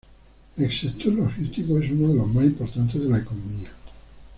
El sector logístico es uno de los más importantes de la economía.